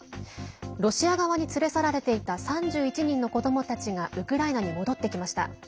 ロシア側に連れ去られていた３１人の子どもたちがウクライナに戻ってきました。